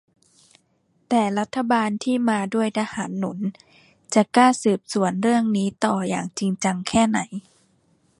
แต่รัฐบาลที่มาด้วยทหารหนุน จะกล้าสืบสวนเรื่องนี้ต่ออย่างจริงจังแค่ไหน